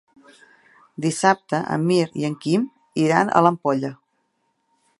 Dissabte en Mirt i en Quim iran a l'Ampolla.